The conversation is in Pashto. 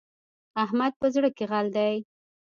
احمد په زړه کې غل دی.